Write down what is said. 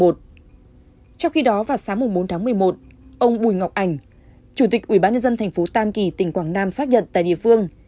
trong khi đó vào sáng bốn tháng một mươi một ông bùi ngọc ảnh chủ tịch ubnd tp tam kỳ tỉnh quảng nam xác nhận tại địa phương